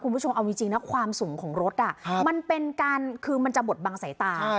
คุณผู้ชมเอาจริงนะความสูงของรถมันเป็นการคือมันจะบดบังสายตา